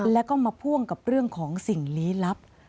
แล้วก็มาพ่วงกับเรื่องของสิ่งลี้ลับ